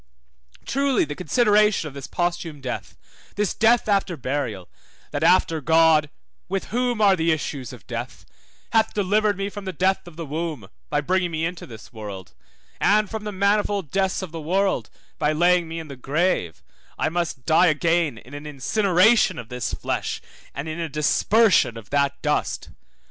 Truly the consideration of this posthume death, this death after burial, that after God (with whom are the issues of death) hath delivered me from the death of the womb, by bringing me into the world, and from the manifold deaths of the world, by laying me in the grave, I must die again in an incineration of this flesh, and in a dispersion of that dust.